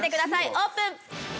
オープン！